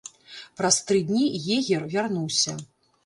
Праз тры дні егер вярнуўся.